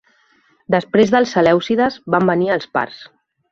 Després dels selèucides van venir els parts.